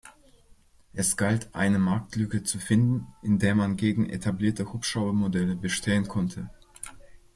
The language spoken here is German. Es galt, eine Marktlücke zu finden, in der man gegen etablierte Hubschrauber-Modelle bestehen konnte.